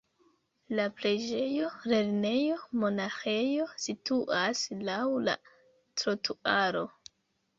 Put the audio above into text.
La preĝejo, lernejo, monaĥejo situas laŭ la trotuaro.